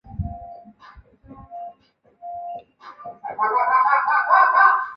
徐悲鸿曾为其作骏马图祝寿。